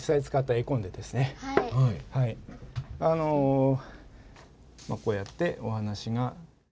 あのまあこうやってお話が。